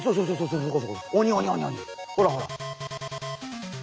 ほらほら。